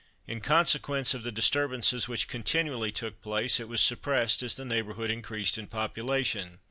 In consequence of the disturbances which continually took place, it was suppressed as the neighbourhood increased in population.